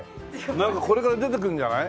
なんかこれから出てくるんじゃない？